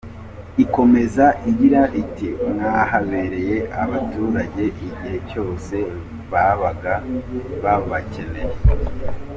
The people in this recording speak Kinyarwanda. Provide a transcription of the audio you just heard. Ikomeza igira iti “Mwahabereye abaturage igihe cyose babaga babakeneye.